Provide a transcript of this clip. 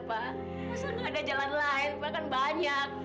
masa nggak ada jalan lain makan banyak